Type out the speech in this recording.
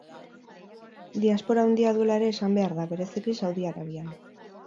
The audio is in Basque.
Diaspora handia duela ere esan behar da, bereziki Saudi Arabian.